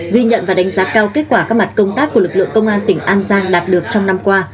ghi nhận và đánh giá cao kết quả các mặt công tác của lực lượng công an tỉnh an giang đạt được trong năm qua